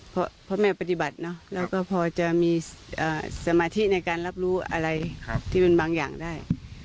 เพราะแม่ปฏิบัติแล้วก็พอจะมีสมาธิในการรับรู้อะไรที่เป็นบางอย่างได้